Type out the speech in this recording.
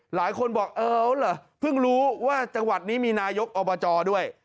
หลายคนบอกเออเหรอเพิ่งรู้ว่าจังหวัดนี้มีนายกอบจด้วย